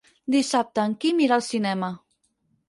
Dissabte en Quim irà al cinema.